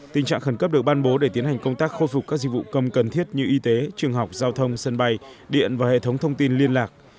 tình trạng khẩn cấp được ban bố để tiến hành công tác khôi phục các dịch vụ công cần thiết như y tế trường học giao thông sân bay điện và hệ thống thông tin liên lạc